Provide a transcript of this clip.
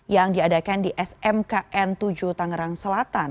yang diadakan di smkn tujuh tangerang selatan